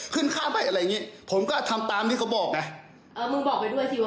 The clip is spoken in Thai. ขึ้นข้ามไปอะไรอย่างงี้ผมก็ทำตามที่เขาบอกนะเออมึงบอกไปด้วยสิว่ามึงปฏิเสธแล้ว